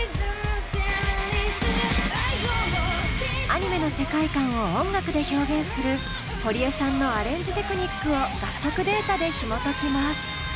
アニメの世界観を音楽で表現する堀江さんのアレンジテクニックを楽曲データでひもときます。